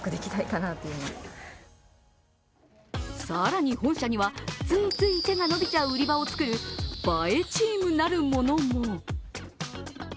更に本社にはついつい手が伸びちゃう売り場を作る、映えチームなるものも。